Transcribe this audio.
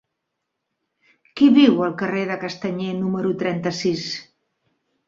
Qui viu al carrer de Castanyer número trenta-sis?